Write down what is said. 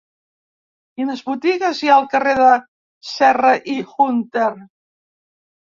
Quines botigues hi ha al carrer de Serra i Hunter?